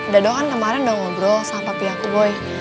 dado kan kemarin udah ngobrol sama papi aku boy